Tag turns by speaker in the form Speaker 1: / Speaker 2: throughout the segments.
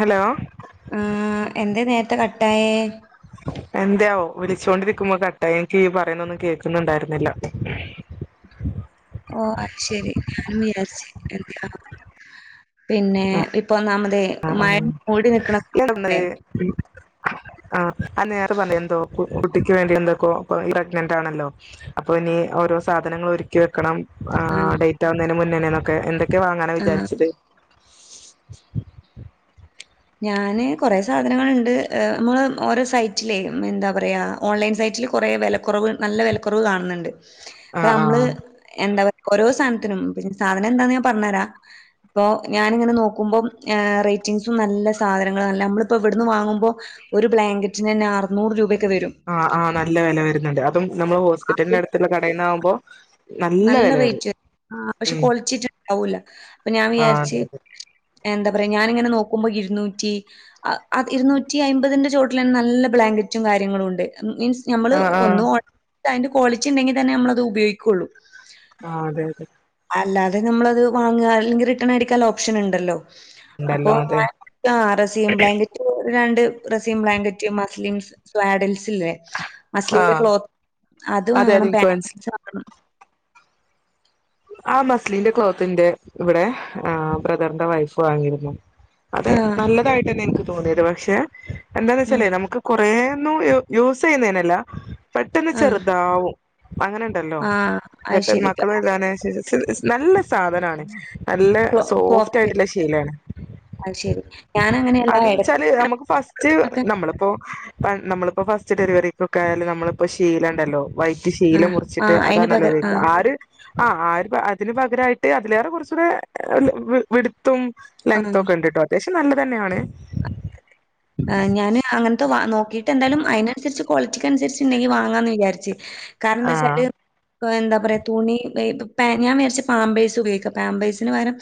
Speaker 1: Hello
Speaker 2: ആഹ് എന്തേ നേരത്തെ കട്ടായെ
Speaker 1: എന്തയാവോ വിളിച്ചോണ്ടിരിക്കുമ്പോ കട്ടായി എനിക്ക് ഇയ്യ് പറയുന്നൊന്നും കേൾക്കുന്നുണ്ടായിരുന്നില്ല
Speaker 2: ഓ അത് ശരി [unintelligible] പിന്നെ
Speaker 1: ആ
Speaker 2: ഇപ്പം ഒന്നാമതേ മഴ മൂടി നിക്കണ സമയല്ലേ
Speaker 1: [inaudible] ആഹ് ആ നേർ പറഞ്ഞ എന്തോ കുട്ടിക്ക് വേണ്ടി എന്തക്കോ പ്രഗ്നന്റ് ആണല്ലോ അപ്പൊ ഇനി ഓരോ സാധനങ്ങൾ ഒരുക്കി വെക്കണം ആ
Speaker 2: ആഹ്
Speaker 1: ഡേറ്റാ വുന്നതിന് മുന്നേനേന്നൊക്കെ എന്തൊക്കെ വാങ്ങാനാ
Speaker 2: ആഹ്
Speaker 1: വിചാരിച്ചത്
Speaker 2: ഞാന് കൊറെ സാധനങ്ങളുണ്ട് നമ്മള് ഓരോ സൈറ്റിലെ എന്താ പറയാ ഓൺലൈൻ സൈറ്റിൽ കുറെ വിലക്കുറവ് നല്ല വിലക്കുറവ് കാണുന്നുണ്ട് അപ്പ
Speaker 1: ആ ആ
Speaker 2: നമ്മള് എന്താ പറ ഓരോ സാധനത്തിനും സാധനം എന്താന്ന് ഞാൻ പറഞ്ഞ് തരാം ഇപ്പൊ ഞാനിങ്ങനെ നോക്കുമ്പോം റേറ്റിംഗ് നല്ല സാധനങ്ങൾ ആണല്ലോ നമ്മളിപ്പോ ഇവിടുന്ന് വാങ്ങുമ്പോ ഒരു ബ്ലാങ്കറ്റിന് തന്നെ അറുന്നൂറ് രൂപയൊക്കെ വരും
Speaker 1: ആഹ് ആഹ് നല്ല വില വരുന്നുണ്ട് അതും നമ്മള്
Speaker 2: അതില്
Speaker 1: ഹോസ്പിറ്റലിന്റെ അടുത്തുള്ള കടയിൽന്ന ആകുമ്പോ
Speaker 2: നല്ല
Speaker 1: വില കയറി
Speaker 2: റേറ്റ് ആ പക്ഷെ
Speaker 1: ഉം
Speaker 2: കൊളിച്ചിട്ടണ്ടാവൂല അപ്പൊ ഞാൻ
Speaker 1: ആ അതെ
Speaker 2: വിചാരിച്ച്
Speaker 1: അതെ
Speaker 2: എന്താ പറയാ ഞാനിങ്ങനെ നോക്കുമ്പോ ഇരുന്നൂറ്റി അഹ്അത് ഇരുന്നൂറ്റി അയ്മ്പതിന്റെ ചോട്ടിലന്നെ നല്ല ബ്ലാങ്കറ്റും കാര്യങ്ങളും ഉണ്ട് മീൻസ്
Speaker 1: ആ
Speaker 2: നമ്മള്
Speaker 1: ആ
Speaker 2: ഒന്ന് ഓ [inaudible] താഅയി ന്റെ കോളിറ്റി ണ്ടെങ്കി തന്നെ നമ്മളത് ഉപയോഗിക്കുള്ളു
Speaker 1: ആ ഹ്അതെ അതെ
Speaker 2: അല്ലാതെ നമ്മളത് വാങ്ങ അല്ലെങ്കി റിട്ടേൺ അടിക്കാ ള്ള ഓപ്ഷൻ ണ്ടല്ലോ അപ്പൊ
Speaker 1: ഉണ്ടല്ലോ അതെ
Speaker 2: ആ റസീ ബ്ലങ്കറ്റ് രണ്ട് റസീം ബ്ലാങ്കറ്റ് മസ്ലിം സ്വാഡൽസ്ല്ല്ലേ
Speaker 1: ആ
Speaker 2: മസ്ലിലിന്റെ ക്ലോത്ത് അത്
Speaker 1: അതെ അതെ
Speaker 2: വാങ്ങണം പാ
Speaker 1: എനിക്ക്
Speaker 2: [inaudible]
Speaker 1: മനസ്സിലായി
Speaker 2: റ്റ് വങ്ങണം
Speaker 1: ആ മസ്ലീന്റെ ക്ലോത്തിന്റെ ഇവിടെ ബ്രദറിന്റെ വൈഫ് വാങ്ങിയിരുന്നു അതെ
Speaker 2: ആഹ്
Speaker 1: നല്ലതായിട്ട് തന്നെ എനിക്ക് തോന്നിയത് പക്ഷെ എന്താന്ന്
Speaker 2: ഉം
Speaker 1: വെച്ചാലേ നമുക്ക് കുറെന്നും യൂസ് ചെയ്യുന്നേനല്ല പെട്ടെന്ന്
Speaker 2: ആഹ്
Speaker 1: ചെറുതാവും അങ്ങനെ ല്ലോ
Speaker 2: ആഹ്. അത്
Speaker 1: പെട്ടെന്ന്
Speaker 2: ശരി.
Speaker 1: മക്കള് വല്താണേ [unintelligible] നല്ല സാധനാണ് നല്ല
Speaker 2: കൊ
Speaker 1: സോഫ്റ്റ്
Speaker 2: പോക്ക്
Speaker 1: ആയിട്ടുള്ള ശീലേണ്
Speaker 2: അത് ശരി. ഞാനങ്ങനെയല്ല
Speaker 1: അത് ന്താച്ചാല് നമുക്ക് ഫസ്റ്റ്
Speaker 2: എടക്കങ്ങനെ
Speaker 1: നമ്മളിപ്പോ നമ്മളിപ്പോ ഫസ്റ്റ് ഡെലിവറിക്കോക്കേ ആയാലും നമ്മളിപ്പോ ശീല ണ്ടല്ലോ ശീല
Speaker 2: ആഹ്
Speaker 1: മുറിച്ചിട്ട്
Speaker 2: ആഹ്
Speaker 1: അതാ
Speaker 2: അയിന്
Speaker 1: ണല്ലോ
Speaker 2: പകരം
Speaker 1: ഉപയോഗിക്ക
Speaker 2: ആഹ്
Speaker 1: ആര് ആ ഒരു പ്രയത്തില് പകരായിട്ട് അതിലേറെ കുറച്ചൂടെ വിടുത്തും ലെങ്ത്തും
Speaker 2: ആഹ്.
Speaker 1: ഒക്കെ ണ്ട്ട്ടോ ത്യാവിശം നല്ല തന്നെയാണ്
Speaker 2: ഞാന് അങ്ങന് ത്തെ വാ നോക്കിട്ട് എന്തായാലും അയിനനുസരിച്ച് ക്വാളിറ്റിക്ക് അനുസരിച്ച് ണ്ടെങ്കി വാങ്ങാന്ന് വിചാരിച്ച് കാരണം
Speaker 1: ആ
Speaker 2: ന്താച്ചാല് പ്പ എന്താ പറയാ തുണി പേ ഞാൻ വി രാർച്ച് പാമ്പേഴ്സ് ഉപയോഗിക്ക പാമ്പേഴ്സിന് പകരം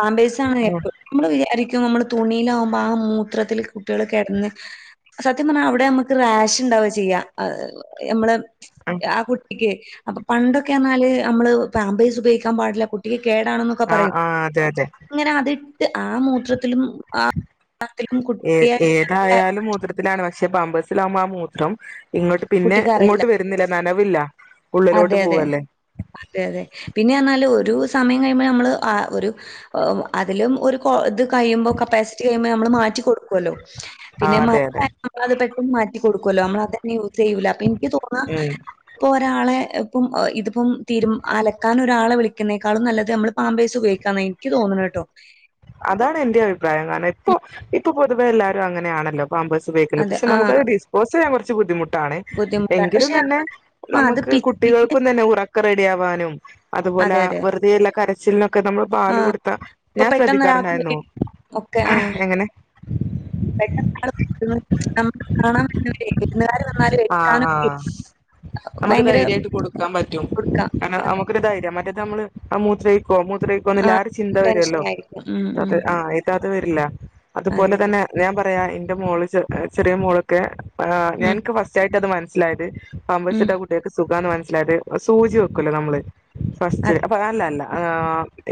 Speaker 2: പാമ്പേഴ്സാണ് എര്പ്പ്
Speaker 1: ആ
Speaker 2: നമ്മള് വിചാരിക്കും നമ്മള് തുണിയിലാകുമ്പോ ആ മൂത്രത്തില് കുട്ടികൾ കിടന്ന് സത്യം പറഞ്ഞാ അവിടെ നമ്മക്ക് റാഷ് ണ്ടാവ ചെയ്യ ഞമ്മള് ആ കുട്ടിക്ക് അപ്പൊ പണ്ടൊക്കെ റ്ഞ്ഞാല് അമ്മള് പാമ്പേഴ്സ് ഉപയോഗിക്കാൻ പാടില്ല കുട്ടിക്ക് കേടാണ് ന്ന് ക്കെ
Speaker 1: ആ
Speaker 2: പറയും
Speaker 1: ആ അതെ അതെ
Speaker 2: അങ്ങനെ അതിട്ട് ആ മൂത്രത്തിലും ആ [inaudible] ത്തിലും
Speaker 1: ഏ ഏതായാലും മൂത്ര ത്തിലാണ് പക്ഷെ പമ്പേഴ്സിലാകുമ്പ ആ മൂത്രം ഇങ്ങോട്ട് പിന്നെ
Speaker 2: കുട്ടിക്കറിയില്ല.
Speaker 1: ഇങ്ങോട്ട് വരുന്നില്ല നനവില്ല ഉള്ളിലോട്ട്
Speaker 2: അതെ അതെ
Speaker 1: പോവല്ലേ
Speaker 2: അതെ അതെ പിന്നെ റഞ്ഞാല് ഒരു സമയം കഴിയുമ്പോ നമ്മള് ആ ഒരു അതിലും ഒരു ഇത് കഴുമ്പോ കപ്പാസിറ്റി കഴിയുമ്പം നമ്മള് മാറ്റി കൊടുക്കുവല്ലോ
Speaker 1: ആ
Speaker 2: പിന്നെ
Speaker 1: അതെ
Speaker 2: മലം
Speaker 1: അതെ
Speaker 2: ആയാ നമ്മളത് പെട്ടെന്ന് മാറ്റി കൊടുക്കല്ലോ നമ്മൾ തന്നെ യൂസ് ചെയ്യൂല അപ്പൊ ഇൻക്ക് തോന്നാ
Speaker 1: ഉം
Speaker 2: ഇപ്പൊ ഒരാളെ ഇപ്പം ഇതിപ്പം തീരു അലക്കാന ഒരാളെ വിളിക്കുന്നേക്കാളും നല്ലത് നമ്മള് പാമ്പേസ് ഉപയോഗിക്കാന്നാ ഇക്ക് തോന്ന്ണേ ട്ടോ
Speaker 1: അതാണ് എന്റെ അഭിപ്രായം കാരണം ഇപ്പൊ ഇപ്പൊ പൊതുവെ എല്ലാരും അങ്ങനെയാണല്ലോ പാമ്പേഴ്സ് ഉപയോഗിക്കൽ
Speaker 2: അത്
Speaker 1: പക്ഷേ
Speaker 2: ആഹ്
Speaker 1: നമുക്കത് ഡിസ്പോസിയാ കൊറച്ച് ബുദ്ധിമു ട്ടാൺ
Speaker 2: ബുദ്ധിമുട്ടാ.
Speaker 1: എങ്കിലും
Speaker 2: പക്ഷെ
Speaker 1: തന്നെ
Speaker 2: ആഹ് അത്
Speaker 1: നമ്ക്ക്
Speaker 2: പിച്ചിട്ട്
Speaker 1: കുട്ടികൾക്കും തന്നെ ഉറ റെഡി ആവാനും അതുപോലാ
Speaker 2: അതെ, അതെ.
Speaker 1: വെറുതെ ഇള്ള കരച്ചിൽനൊക്കെ നമ്മൾ പാല്
Speaker 2: ആഹ്
Speaker 1: കൊടുത്താ
Speaker 2: ഇപ്പൊ
Speaker 1: ഞാൻ ശ്രദ്ധി ക്കാർ
Speaker 2: പെട്ടെന്നൊരാൾക്ക്
Speaker 1: ഇണ്ടാരുന്നു
Speaker 2: വേണ്ടി
Speaker 1: എങ്ങനെ
Speaker 2: പെട്ടന്ന് [unintelligible] കാണാവന്നാലേ വിര്ന്ന് കാര് വന്നാലേ കാ
Speaker 1: ആഹ് ആഹ് നമുക്ക് ധൈര്യയിട്ട് കൊടുക്കാ പറ്റും
Speaker 2: കൊടുക്കാ.
Speaker 1: കാരണം
Speaker 2: അതെ.
Speaker 1: നമുക്കൊരു ധൈര്യാ മറ്റത് നമ്മള് ആ മൂത്രേ കോ മൂത്രയ്ക്കോ ന്ള്ള
Speaker 2: ആഹ്
Speaker 1: ആ ഒരു ചിന്ത വരൊല്ലോ
Speaker 2: ടെൻഷനായിരിക്കും. ഉം,
Speaker 1: അത്
Speaker 2: ഉം.
Speaker 1: ആ അത് വരില്ല അതുപോല
Speaker 2: അതെ, അതെ.
Speaker 1: തന്നെ ഞാ പറയാ ഇന്റെ മോള് ചെ ചെറിയ മോളൊക്കെ ആ
Speaker 2: ഉം,
Speaker 1: ഞാന്ക്ക് ഫസ്റ്റ് ആയിട്ട് അത് മനസ്സ്ലായത് പാമ്പേഴ്സ്
Speaker 2: ഉം.
Speaker 1: ഇട്ടാ കുട്ടി ക്ക് സുഖാന്ന് മനസ്സ്ലായത് സൂചി വെക്കൊല്ലോ നമ്മള് ഫസ്റ്റ്
Speaker 2: അതെ.
Speaker 1: അപ്പൊ അല്ലല്ല ആ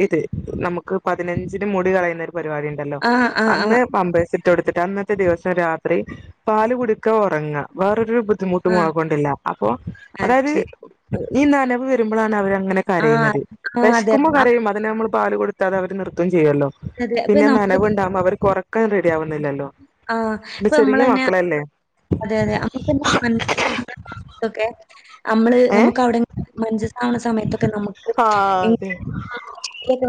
Speaker 1: ഇത് നമുക്ക് പതിനഞ്ചിന് മുടി കളയുന്ന ഒരു പരിവാടി ഇണ്ടല്ലോ
Speaker 2: ആഹ്, ആഹ്, ആഹ്.
Speaker 1: അന്ന് പമ്പേഴ്സ് ട്ട് ഓട്ത്ത് അന്നത്ത ദിവസം രാത്രി പാൽ കുടിക്ക ഒറങ്ങ വേറൊരു ബു ബുദ്ധിമുട്ടും
Speaker 2: ആഹ്
Speaker 1: മോളേക്കൊണ്ടില്ല അപ്പോ
Speaker 2: അത്
Speaker 1: അതായത്
Speaker 2: ശരി.
Speaker 1: ഈ നനവ് വരുമ്പളാണ് അവരങ്ങനെ
Speaker 2: ആഹ്
Speaker 1: കരയുന്നത്
Speaker 2: ആഹ് അതെ അതെ.
Speaker 1: വെശ്ക്കുമ്പോ
Speaker 2: ആ,
Speaker 1: കരയും അ അത്‌ നമ്മൾ പാല് കൊടുാത്താ അതവര് നൃത്തും ചെയ്യല്ലോ
Speaker 2: അതെ. ഇപ്പൊ
Speaker 1: പിന്നെ
Speaker 2: നമുക്ക്
Speaker 1: നനവ്ണ്ടാവ്പ അവർക്ക് ഒറ ക്ക റെഡിയാവുന്നില്ലല്ലോ
Speaker 2: ആഹ് ഇപ്പൊ
Speaker 1: ചെറിയ
Speaker 2: നമ്മളന്നെ
Speaker 1: മക്കളല്ലേ
Speaker 2: അതെ അതെ നമുക്ക് [unintelligible] ഒക്കെ നമ്മള്
Speaker 1: ഏഹ്
Speaker 2: നമുക്ക് അവടെ മഞ്ചസ സമയത്തൊക്കെ നമുക്ക് ഇ
Speaker 1: ആഹ് അതെ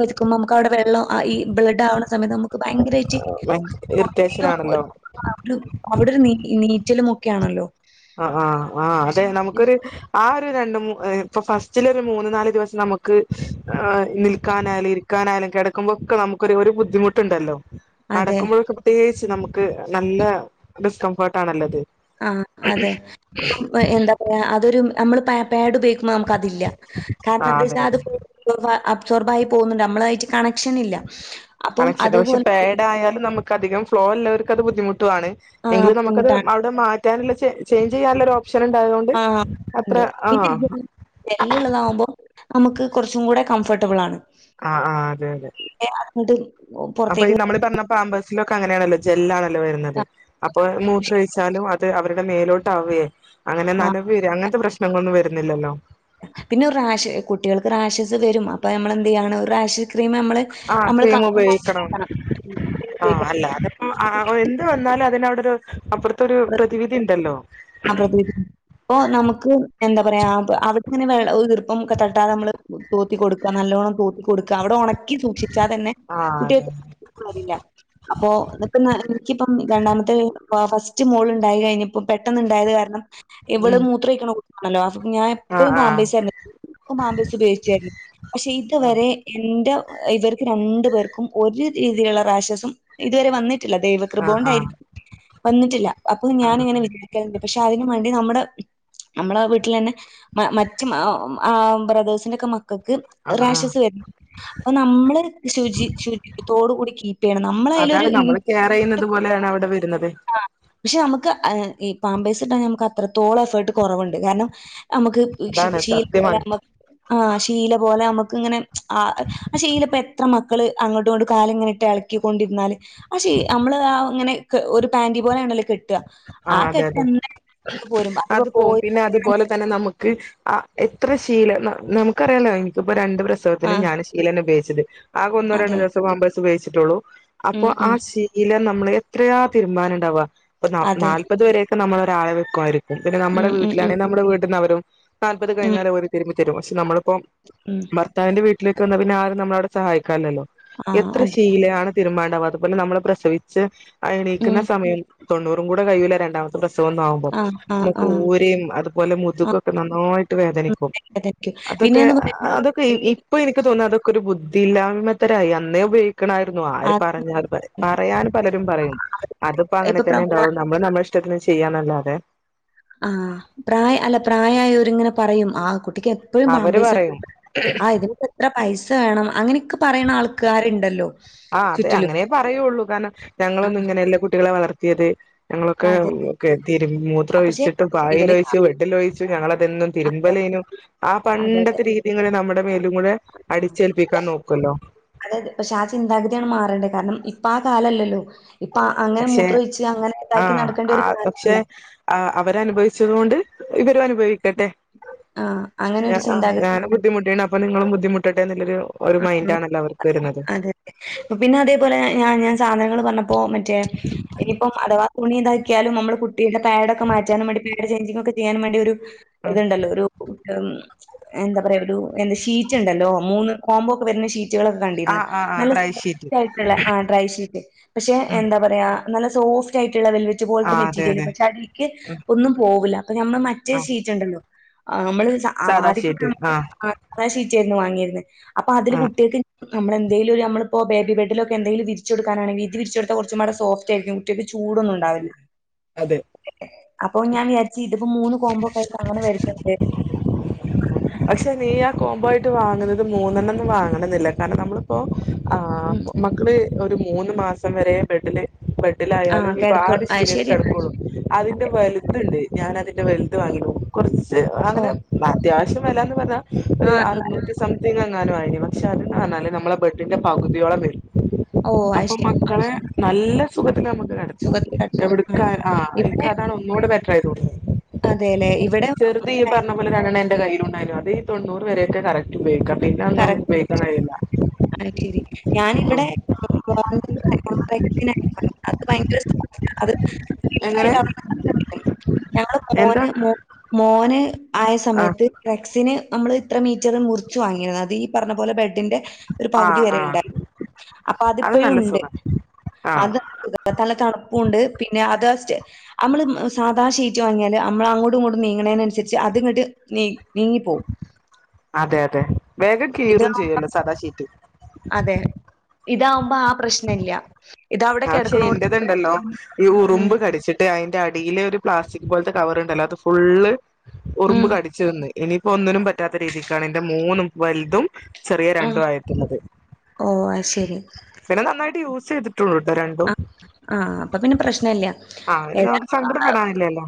Speaker 2: വെക്കുമ്പോ മക്ക് അവടെ വെള്ള ആയി ബ്ലഡ്‌ ആവ്ണ സമയത്ത് നമു ഭയങ്കരായിറ്റ്
Speaker 1: ഇറിറ്റേഷൻ ആണല്ലോ
Speaker 2: [unintelligible] ആ രു അവിടെ ഒരു നീ നീറ്റലുമൊക്കെ ആണല്ലോ
Speaker 1: ആ ആ ആഹ് അതെ നമ്ക്കൊര് ആ ഒര്‌ രണ്ട് മൂ ഇപ്പൊ ഫസ്റ്റില ഒര് മൂന്ന് നാല് ദിവസം നമ് ക്ക് ആ നിൽക്കാനാലും ഇരിക്കാനാലും കെടക്കു ബൊക്കേ നമ്ക്കൊരു ഒര് ബുദ്ധിമുട്ട്ണ്ടല്ലോ
Speaker 2: അതെ.
Speaker 1: നടക്കുമ്പഴക്കെ പ്രത്യേകിച്ച് നമുക്ക് നല്ല ഡിസ്കംഫർട്ട് ആണല്ലത്
Speaker 2: ആഹ് അതെ എന്താ പറാ അതൊരു നമ്മള്പ്പ പേട് ഉപയോഗിക്കുമ്പോ നമക്ക് അതില്ല
Speaker 1: ആ
Speaker 2: കാരണം
Speaker 1: അതെ
Speaker 2: എന്താച്ച്
Speaker 1: അതെ
Speaker 2: നാ അബ്സോർബായി പോവ്ന്ന്ണ്ട് നമ്മളായിട്ട് കണക്ഷൻ ഇല്ല
Speaker 1: കണക്ഷ പക്ഷെ പേഡ ആായാലും നമുക്ക് അധികം ഫ്ലോ ഇള്ളവർക്ക് അത് ബുദ്ധിമുട്ടു ആൺ
Speaker 2: ആ
Speaker 1: എങ്കിലും നമുക്കത്
Speaker 2: ബുദ്ധിമുട്ടാണ്.
Speaker 1: അവടെ മാറ്റാനുള്ള ചേ ചേയ്ഞ്ചിയ്യാന്ള്ള ഒരോപ്ഷൻ ഇണ്ടായ തൊ
Speaker 2: ആഹ് ഇണ്ട് പിന്നെ [unintelligible] വെല്ലള്ളതാവുമ്പോ നമുക്ക് കൊറച്ചും കൂടെ കംഫർട്ടബ്ളാണ്
Speaker 1: അ ആ അതെ അതെ
Speaker 2: [inaudible]
Speaker 1: അപ്പൊ ഈ
Speaker 2: പുറത്തേക്ക്
Speaker 1: നമ്മള് പറഞ പാമ്പേസ് സ് ലൊക്കേ അങ്ങനെണല്ലോ ജല്ലാണല്ലോ വര്ന്നത് അപ്പോ മൂത്രയിച്ചാലും അത്‌ അവ മേലോട്ട് ആവേ അങ്ങന
Speaker 2: ആ
Speaker 1: നനവരേ അങ്ങൻത്ത പ്രശ്നങ്ങളൊന്നും വരുന്നില്ലല്ലോ
Speaker 2: പിന്നെ റാഷ് കുട്ടികൾക്ക് റാഷസ് വരും അപ്പ നമ്മൾ എന്തിയ്യാണ് ഒരു റാഷ്യസ് ക്രീം നമ്മള്
Speaker 1: ആഹ്
Speaker 2: നമ്മള്
Speaker 1: ക്രീം
Speaker 2: ക-
Speaker 1: ഉപയോയിക്കണം
Speaker 2: കണ്ണ്
Speaker 1: ആഹ്
Speaker 2: വെക്കണം.
Speaker 1: അല്ലാത ഉം ആ ആ എന്ത് വന്നാലും അതിനവ ടൊരു അപ്പുറത്തൊരു പ്രതിവിധി ഇണ്ടല്ലോ
Speaker 2: അഹ് പ്രതിവിധി പ്പൊ നമുക്ക് എന്താ പറയാ അവിടെ ഇങ്ങനെ വെള്ള ഈർപ്പം ഒക്കെ തട്ടാതെ നമ്മള് തോത്തി കൊട്ക്ക നല്ലോണ്ണം തോത്തി കൊട്ക്ക അവടെ ഒണക്കി സൂക്ഷിച്ചാ തന്നെ
Speaker 1: ആഹ് അതെ
Speaker 2: കുട്ടികൾക്ക് വരില്ല അപ്പൊ [unintelligible] എനിക്കിപ്പം രണ്ടാമത്തെ ഫസ്റ്റ് മോൾ ഇണ്ടായി കഴിഞ്ഞപ്പോ പേ പെട്ടെന്ന്ണ്ടായത് കാരണം ഇവള്
Speaker 1: ഉം
Speaker 2: മൂത്രയ്ക്ക്ണ കു ആണല്ലോ അപ്പൊ ഞാൻ
Speaker 1: ആഹ്
Speaker 2: എപ്പഴും
Speaker 1: ആഹ്
Speaker 2: പാമ്പേസാരുന്നു പാമ്പേസ് ഉപയോഗിച്ചേര്ന്നു പക്ഷെ ഇതുവരെ എന്റെ ഇവർക്ക് രണ്ട് പേർക്കും ഒരു രീതിള്ള റാഷസും ഇതുവരെ വന്നി ട്ടില്ല
Speaker 1: ആഹ് ആഹ്
Speaker 2: ദൈവകൃപോണ്ടാരിക്കും വന്നിട്ടില്ല അപ്പൊ
Speaker 1: ആഹ്
Speaker 2: ഞാനിങ്ങനെ വിചാ ല്ണ്ട് പക്ഷെ അയ്ന്നും വേണ്ടി നമ്മടെ നമ്മള വീട്ട്ലന്നെ മറ്റ് ആ ബ്രദേഴ്സിന്റെ ഒക്കെ മക്കക്ക്
Speaker 1: ആഹ് ആഹ്
Speaker 2: റാക്ഷസ് വരും അപ്പൊ നമ്മള് ശുചി ശുചിത്വത്തോടു കൂടി കീപ്പ് ചെയ്യണം നമ്മള് അതിലൊരു
Speaker 1: പറയുന്നത് പോലെയാണ് അവിടെ വരുന്നത്.
Speaker 2: പക്ഷെ നമുക്ക് ഈ പാമ്പേസ് ഇട്ടാ നമുക്ക് അത്രത്തോളം എഫേർട്ട് കൊറവുണ്ട് കാരണം നമുക്ക്
Speaker 1: അതാണ്
Speaker 2: ശീല പോലെ
Speaker 1: സത്യമാണ്
Speaker 2: നമ്മക്ക് ആ ശീല പോലെ നമുക്ക് ഇങ്ങനെ ആ പക്ഷെ ഇതില് എത്ര മക്കള് അങ്ങോട്ടും ഇങ്ങോട്ടും കാല് ഇങ്ങനെ ഇട്ട് ഇളക്കിക്കൊണ്ടിരാല് പക്ഷേ നമ്മള് ആ ഇങ്ങനെ ഒരു പാന്റി പോനെ ആണെല്ലോ കെട്ടുക ആ
Speaker 1: ആഹ്
Speaker 2: കെ
Speaker 1: അതെ അത് പോവും പിന്നെ അതുപോലെ- തന്നെ നമുക്ക് ആ എത്ര ശീലം നമുക്കറിയാലോ എനിക്കിപ്പോ രണ്ട് പ്രസവത്തിനും
Speaker 2: ആഹ്
Speaker 1: ഞാൻ- ഷീലെന്നെ ഉപയൊഗിച്ചത് ആകെ ഒന്നോ രണ്ടു
Speaker 2: അതെ.
Speaker 1: ദിവസം പാമ്പേഴ്സ് ഉപയോഗിച്ചിട്ടെ ഉള്ളു അപ്പൊ
Speaker 2: ഉം, ഉം.
Speaker 1: ആ- ഷീ ഷീല്ല നമ്മള് എത്രയാ തിരുമ്പാനുണ്ടാവാ ഇപ്പ
Speaker 2: അതെ.
Speaker 1: നാല്പത് വരെയൊക്കെ നമ്മള് ഒരാളെ വെക്കുമായി- പിന്നെ
Speaker 2: ഉം,
Speaker 1: നമ്മുടെ
Speaker 2: ഉം, ഉം.
Speaker 1: വീട്ടിലാണെങ്കിൽ നമ്മടെ വീട്ട്ന്ന് അവരും നാല്പത്
Speaker 2: ഉം,
Speaker 1: കഴിഞാലും ഓര് തിരുമ്പി തരും പക്ഷെ നമ്മളിപ്പം -
Speaker 2: ഉം.
Speaker 1: ഭർത്താവിന്റെ വീട്ടിലേക്ക് വന്നാ പിന്നെ ആരും നമ്മളെവിടെ സഹായിക്കാനില്ലല്ലോ
Speaker 2: ആഹ്
Speaker 1: എത്ര
Speaker 2: അതെ.
Speaker 1: ശീലയാണ് തീരുമ്പാൻ ഇണ്ടാവും അതുപോലെ നമ്മള് പ്രസവിച്ച്
Speaker 2: ഉം.
Speaker 1: എണീക്കുന്ന സമയം തൊണ്ണൂറും കൂടെ കഴിയൂല്ല രണ്ടാമത്തെ പ്രസ പ്രസവം ഒന്നാകുമ്പോം
Speaker 2: ആഹ്, ആഹ്,
Speaker 1: നമുക്ക്
Speaker 2: ആഹ്.
Speaker 1: ഊരയും അതുപോലെ
Speaker 2: ആഹ്.
Speaker 1: മുതുകൊക്കെ നന്നായിട്ട് വേദനിക്കും
Speaker 2: പിന്നെ
Speaker 1: അതൊക്കെ
Speaker 2: എന്ന് പറയുമ്പോ
Speaker 1: അതൊക്കെ
Speaker 2: ഈ
Speaker 1: ഇപ്പൊ എനിക്ക് തോന്നുന്നു അതൊക്കെ ഒരു ബുദ്ധിയില്ലായ്മത്തരായി അന്നേ ഉപയോഗി ണായിരുന്നു ആര് പറഞ്ഞാ പറയാൻ പലരും പറയും അതിപ്പോ അങ്ങനെ
Speaker 2: ഇപ്പൊ പ്ര
Speaker 1: തന്നെ-
Speaker 2: പ്ര
Speaker 1: ഉണ്ടാവുള്ളൂ നമ്മള് നമ്മടെ ഇഷ്ടത്തിന് ചെയ്യാന്നാല്ലാതെ-
Speaker 2: ആഹ് പ്രായ അല്ല പ്രായം ആയൊര് ഇങ്ങനെ പറയും ആ കു കുട്ടിക്ക് എപ്പോഴും
Speaker 1: അവര്
Speaker 2: പാമ്പേഴ്സാ ഇട്ട്
Speaker 1: പറയും
Speaker 2: കൊടുക്കണെ ആഹ് ഇതിനൊക്കെ എത്ര പൈസ വേണം അങ്ങനെ- ക്കെ പറയ്ണ ആൾക്കാരുണ്ടല്ലോ
Speaker 1: ആഹ് അതെ
Speaker 2: ചുറ്റിലും.
Speaker 1: അങ്ങനെ പറയുള്ളൂ കാരണം
Speaker 2: ആ
Speaker 1: ഞങ്ങളൊന്നും ഇങ്ങനെയെല്ല കുട്ടികളെ വളർത്തിയത്- ഞങ്ങളൊക്കെ
Speaker 2: അതെ. അതെ.
Speaker 1: തിരു മൂത്ര
Speaker 2: അ പക്ഷെ
Speaker 1: ഒഴിച്ചിട്ട് പായിൽ
Speaker 2: ഇവര് കാ
Speaker 1: ഒഴിച്ചു ബെഡിൽ ഒഴിച് ഞങ്ങളതും എന്നും തിരുമ്പലേനു ആഹ്
Speaker 2: അതെ, അതെ.
Speaker 1: പണ്ടത്തെ രീതിങ്ങെനെ നമ്മുടെ മേലും കൂടെ അടിച്ചേൽപ്പിക്കാൻ നോക്കല്ലോ
Speaker 2: അതെ പക്ഷെ ആ ചിന്താഗതിയാണ് മാറേണ്ടത് കാരണം ഇപ്പൊ ആ കാലല്ലല്ലോ ഇപ്പൊ അങ്ങനെ
Speaker 1: പക്ഷെ
Speaker 2: മൂത്ര ഒഴിച്ച് അങ്ങനെ ഇതാക്കി
Speaker 1: ആഹ്
Speaker 2: നടക്കേണ്ട ഒരു കാര്യംല്ലല്ലോ
Speaker 1: ആ അവര് അനുഭവിച്ചതു കൊണ്ട് ഇവരും അനുഭവിക്കട്ടെ
Speaker 2: ആ അങ്ങനെ ഒരു
Speaker 1: ആ ഞാനും
Speaker 2: ചിന്താഗതിയാണ്.
Speaker 1: ബുദ്ധിമുട്ടെണ് അപ്പൊ നിങ്ങളും ബുദ്ധിമുട്ടട്ടെ എന്ന് ഉള്ളെരു-
Speaker 2: ആഹ് അതെ അതെ പിന്നെ അതേപോലെ ഞ ഞാൻ സാധനങ്ങൾ പറഞ്ഞ പ്പോ മറ്റേ ഇനിയിപ്പം അഥവാ തുണി ഇതാക്കിയാലും നമ്മള് കു കുട്ടിയുടെ പാഡ് ഒക്കെ മാറ്റാനും വെണ്ടി പാഡ് ചേഞ്ചിങ്ങ് ഒക്കെ ചെയ്യാനും വേണ്ടി ഒരു
Speaker 1: ഉം
Speaker 2: ഇതുണ്ടല്ലോ ഒരു- എന്താ പറയാ ഒരു എന്താ ഷീറ്റ് ഉണ്ടല്ലോ മൂന്ന് കോംമ്പോ ഒക്കെ വരുന്ന ഷീറ്റ് ഷീറ്റുക്കൾ ഒക്കെ കണ്ടിരുന്നു
Speaker 1: ആഹ് ആഹ് ആഹ്
Speaker 2: നല്ല
Speaker 1: ഡ്രൈ ഷീറ്റ്
Speaker 2: സോഫ്റ്റ്‌ ആയിട്ടുള്ള ആ ഡ്രൈഷീറ്റ്- പക്ഷെ
Speaker 1: ഉം
Speaker 2: എന്താ പറയാ നല്ല സോഫ്റ്റ് ആയിട്ടുള്ള വെൽവെറ്റ് പോലത്തെ
Speaker 1: ആഹ് അതെ
Speaker 2: മെറ്റീരിയല്
Speaker 1: അതെ
Speaker 2: പക്ഷെ അടിക്ക്-
Speaker 1: ഉം
Speaker 2: ഒന്നും പോവുല്ല അപ്പൊ നമ്മളെ മറ്റേ
Speaker 1: ആഹ്
Speaker 2: ഷീറ്റുണ്ടല്ലോ ആഹ് നമ്മള്
Speaker 1: സാദാ
Speaker 2: ആദ്യയൊക്കെ
Speaker 1: ഷീറ്റ് ആഹ്
Speaker 2: ആ ഷീറ്റെരുന്ന് വാങ്ങിയിരുന്നത് അപ്പൊ അതില്
Speaker 1: ആഹ് ആഹ്
Speaker 2: കുട്ടികൾക്ക്- നമ്മള് എന്തെങ്കിലും നമ്മള്പ്പോ ബേബി ബെഡിലൊക്കെ എന്തെങ്കിലും വിരിച്ച് കൊടുക്കാനാണെിൽ ഷീറ്റ് വിരിച്ചെടുതാൽ കൊറച്ചും പാടെ സോഫ്റ്റെയിരിക്കും - കുട്ടികൾക്ക് ചൂടൊന്നും
Speaker 1: അതെ
Speaker 2: ഉണ്ടാവില്ല
Speaker 1: അതെ അതെ
Speaker 2: അപ്പൊ ഞാൻ വിചാരിച്ചു ഇതിപ്പോ മൂന്ന് കോംമ്പൊ ഒക്കൊയായിട്ട് അങ്ങനെ വരുന്നുണ്ട്
Speaker 1: പക്ഷെ നീ ആ കോംബോ ആയിട്ട് വാങ്ങുന്നത് മൂന്നെണ്ണംന്ന് വാങ്ങണ എന്നില്ല കാരണം നമ്മളിപ്പോ- ആഹ്
Speaker 2: ഉം
Speaker 1: മക്കള് ഒരു മൂന്ന് മാസം വരെ ബെഡില്-
Speaker 2: ആഹ്
Speaker 1: ബെഡിലായാലും ഇപ്പൊ ആ
Speaker 2: കിടക്കോ
Speaker 1: ഒരു
Speaker 2: അത്
Speaker 1: ശീലേൽ
Speaker 2: ശരിയാ.
Speaker 1: കെടകൊള്ളൂ അതിന്റെ വലുത്തുണ്ട് ഞാൻ അതിന്റെ വലുത്ത് വാങ്ങിണു കൊറച്ച് അങ്ങനെ
Speaker 2: ഓഹ്
Speaker 1: അത്യാവശ്യ- വെലന്ന് പറഞ്ഞാ ഒരു
Speaker 2: ആഹ് എന്നാല്
Speaker 1: അറുന്നൂറ്റി സംതിങ് അങ്ങാനും ആയേനെ പക്ഷെ അത് കാണാന് പറഞ്ഞാല് നമ്മളെ ബെഡിന്റെ പകുതിയോളം വരും
Speaker 2: ഓഹ് അഹ്
Speaker 1: അപ്പൊ
Speaker 2: ശെരി
Speaker 1: മക്കളെ നല്ല- സുഖത്തില് നമുക്ക് കെടക്കും
Speaker 2: സുഖത്തിൽ കെടക്കാം. ആഹ്
Speaker 1: എവിടെക്ക് ആ ഇന്ക് അതാണ് ഒന്നുകൂടെ ബെറ്റർായി തോന്നിയത്
Speaker 2: അതെല്ലെ ഇവിടെ -
Speaker 1: ചെറുത് ഇയ്യ് പറഞ്ഞ പോലെ രണ്ടെണ്ണം എന്റെ കയ്യിലുണ്ടാല്ലോ അത് ഈ തൊണ്ണൂറ് വരെയൊക്കെ കറക്റ്റ് ഉപോഗിക്കാ പി പിന്നൊന്നും ഉപേയിക്കാൻ കയൂല-
Speaker 2: അഹ് ശെരി ഞാനിവിടെ അത് ഭയങ്കര ആഹ് [unintelligible]
Speaker 1: എങ്ങനെ
Speaker 2: ഇതായിട്ട ഞങ്ങള്
Speaker 1: എന്താ
Speaker 2: മോന് മോന് ആയ
Speaker 1: ആ
Speaker 2: സമയത്ത് ഫ്ലക്സിന് നമ്മള് ഇത്ര മീറ്ററ് മുറിച്ചു വാങ്ങിയിരുന്നു അത് ഈ പറഞ്ഞ പോലെ ബെഡിന്റെ ഒരു
Speaker 1: ആ
Speaker 2: പകുതി വരെ
Speaker 1: ആ
Speaker 2: ഉണ്ടായിരുന്നു അപ്പൊ
Speaker 1: അത്
Speaker 2: അതിപ്പോഴും
Speaker 1: നല്ല
Speaker 2: ഉണ്ട്
Speaker 1: സുഖ ആ
Speaker 2: അത് നല്ല തണുപ്പുംണ്ട് പിന്നെ അത്സ്റ്റ് നമ്മള് സാധാ ഷീറ്റ് വാങ്ങിയാല് നമ്മള അങ്ങോട്ടും ഇങ്ങോട്ടും നീങ്ങണതിനന അനുസരിച്ച് അത്ങ്ങോട്ട്- നീ നീങ്ങി പോകും.
Speaker 1: അതെ അതെ വേഗം
Speaker 2: ഇതാ
Speaker 1: കീറും ചെയ്യല്ലോ സദാശീറ്റ്?
Speaker 2: അതെ ഇതാവുമ്പോ ആഹ് പ്രശ്ന ഇല്ല
Speaker 1: ആഹ് ഇന്റേതുണ്ടല്ലോ ഈ
Speaker 2: ഉം
Speaker 1: ഉറുമ്പ് കടിച്ചി അതിന്റെ അടിയിലെ ഒരു പ്ലാസ്റ്റിക് പോലത്തെ കവറ ഉണ്ടല്ലോ അത് ഫുള്ള് ഉറുമ്പ്
Speaker 2: ഉം
Speaker 1: കടിച്ചു തിന്ന്- ഇനിയിപ്പോ ഒന്നിനും പറ്റാത്ത രീതിക്കാണ് എന്റെ മോനും വലുതും- ചെറിയ
Speaker 2: ആഹ്
Speaker 1: രണ്ടും ആയിട്ടത്
Speaker 2: ഓഹ് അത് ശരി.
Speaker 1: പിന്നെ നന്നായിട്ട് യൂസ് ചെയ്തിട്ട ട്ടോ രണ്ടും
Speaker 2: ആഹ് ആഹ് അപ്പൊ പിന്നെ പ്രശ്നല്ല.
Speaker 1: ആഹ് നമുക്ക്
Speaker 2: ഏതായാലും
Speaker 1: സങ്കടം
Speaker 2: ആ,
Speaker 1: പെടടാനില്ലേല്ലോ-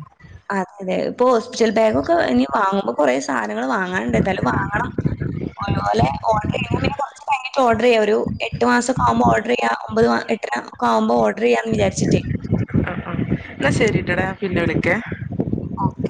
Speaker 2: അതെ അതെ ഇപ്പൊ ഹോസ്പിറ്റൽ ബാഗ ഒക്കെ ഇനി വാങ്ങുമ്പോ കുറെേ സാധനങ്ങൾ വാങ്ങാനണ്ട് എന്നായാലും വാങ്ങണം. അല്ല ഓഡർ ചെയ്യ പിന്നെ കുറ ടൈി് ഓർഡർ ചെയ്യാം ഒരു എട്ട് മാസെ ആകുമ്പോ ഓഡർ ചെയ്യ ഒമ്പത് [unintelligible] നക്ക ആകുമ്പോ ഓർഡർ ചെയ്യാന്ന് വിചാരിച്ചിട്ടേ-
Speaker 1: ആഹ് ആഹ് എന്ന ശരിട്ടടാ പിന്നെ വിളിക്കെ-
Speaker 2: ഓക്കെ.